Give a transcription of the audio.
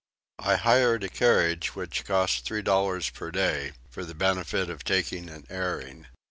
I hired a carriage which cost three dollars per day for the benefit of taking an airing.